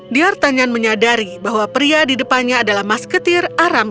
diatanyan menyadari bahwa pria di depannya adalah masketir